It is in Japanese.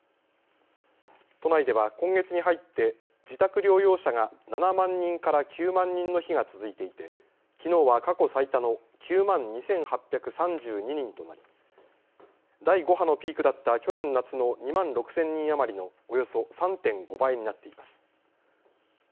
都内では今月に入って自宅療養者が７万人から９万人の日が続いていてきのうは過去最多の９万２８３２人となり第５波のピークだった去年夏の２万６０００人余りのおよそ３．５倍になっています。